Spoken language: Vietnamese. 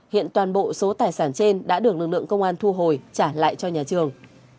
hiện toàn bộ số tài sản trên đã được lực lượng công an thu hồi trả lại cho nhà trường